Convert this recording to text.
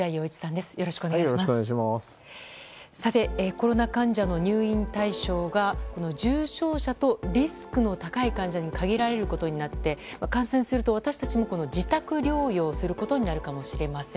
コロナ患者の入院対象が重症者とリスクの高い患者に限られることになって感染すると私たちも自宅療養することになるかもしれません。